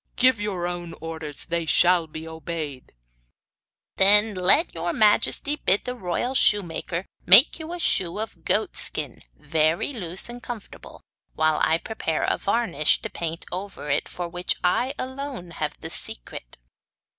Give your own orders; they shall be obeyed.' 'Then let your majesty bid the royal shoemaker make you a shoe of goat skin very loose and comfortable, while I prepare a varnish to paint over it of which I alone have the secret!